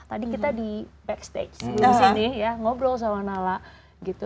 tadi kita di backstage di sini ya ngobrol sama nala gitu